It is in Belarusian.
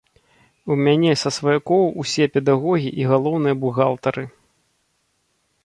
У мяне са сваякоў усе педагогі і галоўныя бухгалтары.